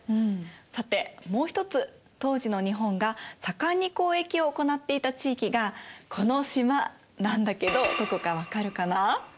さてもう一つ当時の日本が盛んに交易を行っていた地域がこの島なんだけどどこか分かるかな？